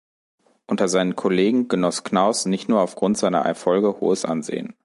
Unter seinen Kollegen genoss Knauß nicht nur Aufgrund seiner Erfolge hohes Ansehen.